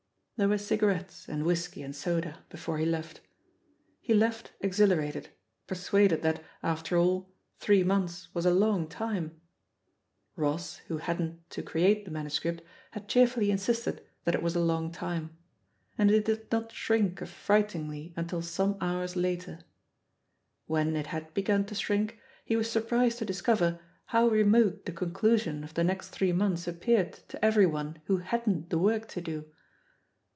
There were cigarettes and whisky and soda before he left. He left exhilarated, persuaded that, after all, three months was a long time — jRoss, who hadn't to create the manuscript, had THE POSITION OF PEGGY HARPER 1«1 cheerfully insisted that it was a long time — and it did not slirink affrightingly until some hours later. When it had begun to shrink, he was sur prised to discover how remote the conclusion of the next three months appeared to everyone who hadn't the work to do.